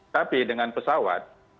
tapi dengan pesawat